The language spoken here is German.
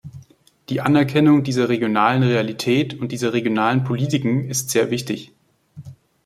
Die Anerkennung dieser regionalen Realität und dieser regionalen Politiken ist sehr wichtig.